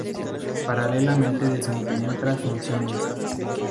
Paralelamente desempeñó otras funciones.